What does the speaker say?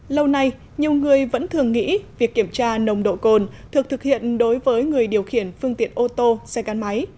lâu nay nhiều người vẫn thường nghĩ việc kiểm tra nồng độ cồn thực hiện đối với người điều khiển phương tiện ô tô xe gắn máy